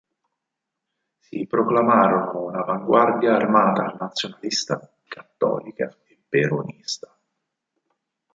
Si proclamarono una "avanguardia armata nazionalista, cattolica e peronista".